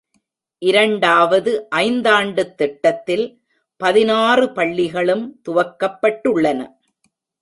இரண்டாவது ஐந்தாண்டுத் திட்டத்தில், பதினாறு பள்ளிகளும் துவக்கப்பட்டுள்ளன.